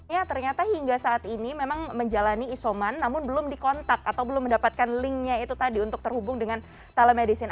ya ternyata hingga saat ini memang menjalani isoman namun belum dikontak atau belum mendapatkan linknya itu tadi untuk terhubung dengan telemedicine